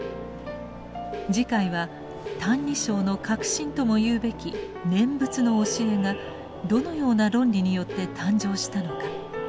次回は「歎異抄」の核心とも言うべき念仏の教えがどのような論理によって誕生したのか